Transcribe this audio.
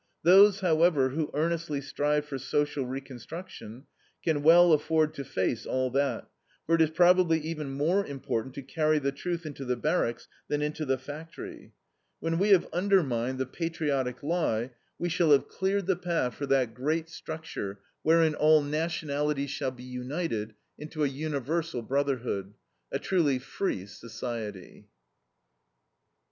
Those, however, who earnestly strive for social reconstruction can well afford to face all that; for it is probably even more important to carry the truth into the barracks than into the factory. When we have undermined the patriotic lie, we shall have cleared the path for that great structure wherein all nationalities shall be united into a universal brotherhood, a truly FREE SOCIETY.